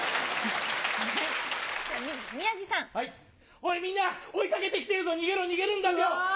おいみんな追い掛けて来てるぞ逃げろ逃げるんだピョン。